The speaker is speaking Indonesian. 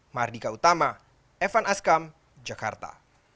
mardika utama evan askam jakarta